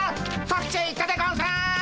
そっちへ行ったでゴンス！